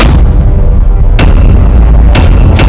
hari nugrakan salahsa this ramadan